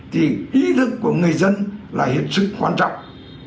thì ý thức của người dân là hết sức quan trọng